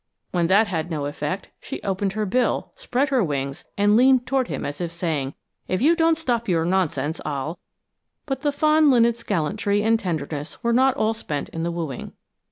When that had no effect, she opened her bill, spread her wings, and leaned toward him as if saying, "If you don't stop your nonsense, I'll " But the fond linnets' gallantry and tenderness are not all spent in the wooing.